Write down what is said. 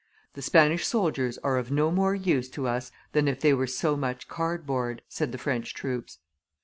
"The Spanish soldiers are of no more use to us than if they were so much cardboard," said the French troops.